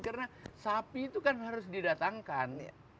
karena sapi itu kan harus didatangkan